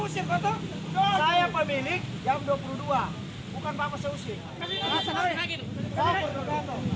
saya pemilik yang dua puluh dua bukan pak masa usir